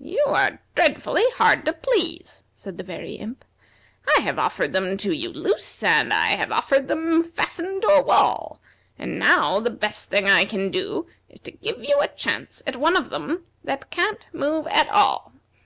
"You are dreadfully hard to please," said the Very Imp. "I have offered them to you loose, and I have offered them fastened to a wall, and now the best thing I can do is to give you a chance at one of them that can't move at all.